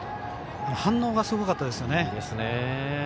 反応がすごかったですよね。